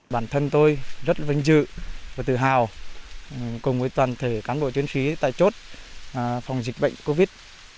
bản thân tôi rất là vinh dự và tự hào cùng với toàn thể cán bộ chiến sĩ tại chốt phòng dịch bệnh covid một mươi chín